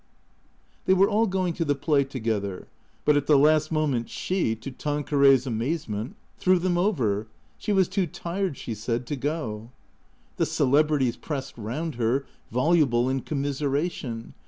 They were all going to the play together. But at the last moment, she, to Tanqueray's amazement, threw them over. She was too tired, she said, to go. The celebrities pressed round her, voluble in commiseration.